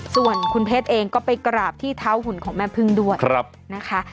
ส่วนคุณเพชรเองก็ไปกราบที่เท้าหุ่นของแม่พึ่งด้วยนะคะ